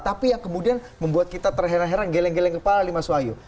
tapi yang kemudian membuat kita terheran heran geleng geleng kepala nih mas wahyu